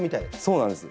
そうなんです。